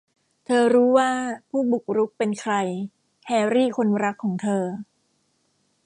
เธอรู้ว่าผู้บุกรุกเป็นใคร : แฮร์รี่คนรักของเธอ